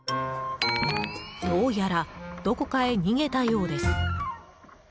どうやらどこかへ逃げたようです。